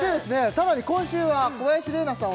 さらに今週は小林麗菜さん